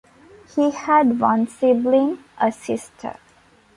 He had one sibling, a sister.